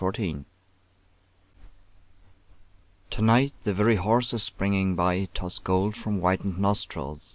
WINTER EVENING To night the very horses springing by Toss gold from whitened nostrils.